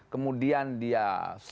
kemudian dia sibuk berbisnis